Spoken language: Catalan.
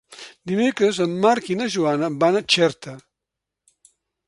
Dimecres en Marc i na Joana van a Xerta.